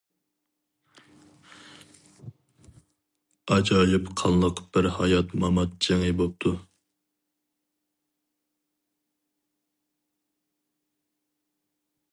ئاجايىپ قانلىق بىر ھايات-مامات جېڭى بوپتۇ.